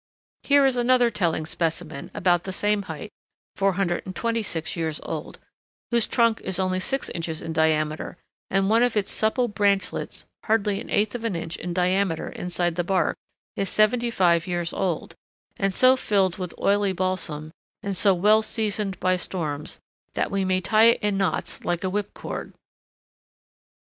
Here is another telling specimen about the same height, 426 years old, whose trunk is only six inches in diameter; and one of its supple branchlets, hardly an eighth of an inch in diameter inside the bark, is seventy five years old, and so filled with oily balsam, and so well seasoned by storms, that we may tie it in knots like a whip cord.